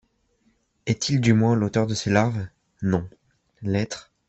Est-il du moins l’auteur de ces larves ? Non. L’être